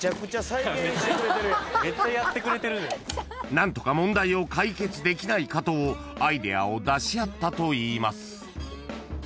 ［何とか問題を解決できないかとアイデアを出し合ったといいます］